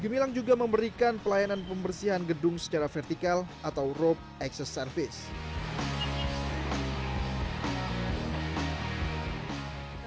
gemilang juga memberikan pelayanan pembersihan gedung secara vertikal atau rope access service